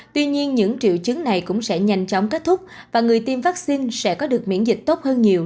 tuy nhiên những triệu chứng này cũng sẽ nhanh chóng kết thúc và người tiêm vaccine sẽ có được miễn dịch tốt hơn nhiều